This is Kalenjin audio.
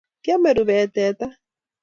Kiame rubeet teta